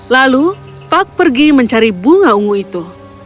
lalu puck pergi mencari bunga ungu itu